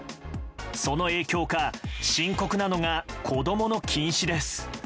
その影響か深刻なのが子供の近視です。